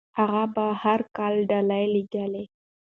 هغه به هر کال ډالۍ لیږي.